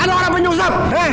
ada orang penyusup